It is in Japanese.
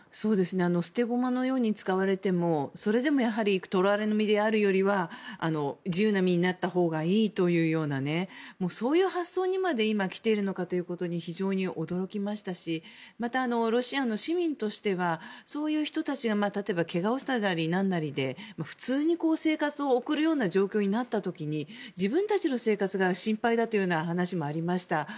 捨て駒のように使われてもそれでもやはり捕らわれの身であるよりは自由な身になったほうがいいというようなそういう発想にまで今来ているのかということに非常に驚きましたしまた、ロシアの市民としてはそういう人たちがけがをしたなりなんなりで普通に生活を送るような状況になった時に自分たちの生活が心配だという話もありました。